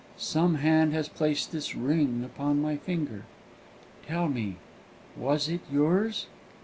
Some hand has placed this ring upon my finger. Tell me, was it yours?"